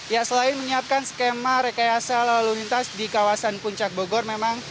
ya selain menyiapkan skema rekayasa lalu lintas di kawasan puncak bogor memang